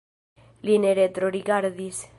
Li ne retrorigardis.